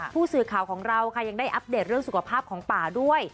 ผู้สื่อข่าวของเราค่ะยังได้อัปเดตเรื่องสุขภาพของป่าด้วย